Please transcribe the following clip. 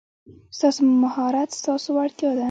ستاسو مهارت ستاسو وړتیا ده.